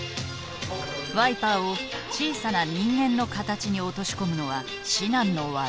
ワイパーを小さな人間の形に落とし込むのは至難の業。